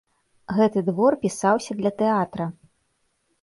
Гэты твор пісаўся для тэатра.